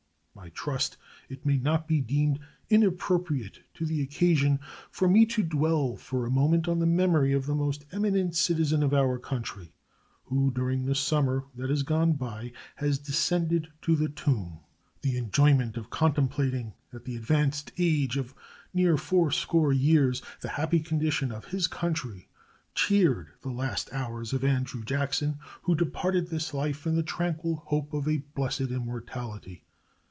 I trust it may not be deemed inappropriate to the occasion for me to dwell for a moment on the memory of the most eminent citizen of our country who during the summer that is gone by has descended to the tomb. The enjoyment of contemplating, at the advanced age of near fourscore years, the happy condition of his country cheered the last hours of Andrew Jackson, who departed this life in the tranquil hope of a blessed immortality.